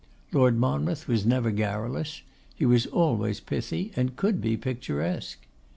Lord Monmouth was never garrulous: he was always pithy, and could be picturesque.